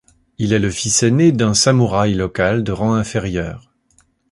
Il est le fils aîné d'un samouraï local de rang inférieur.